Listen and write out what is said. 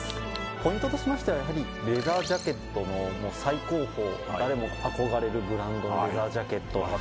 ポイントとしましては、やはりレザージャケットの最高峰誰もが憧れるブランドのレザージャケット。